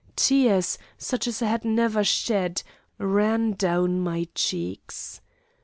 Tears, such as I had never shed, ran down my cheeks.